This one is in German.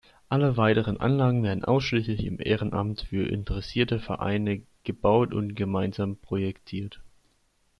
Alle weiteren Anlagen werden ausschließlich im Ehrenamt für interessierte Vereine gebaut und gemeinsam projektiert.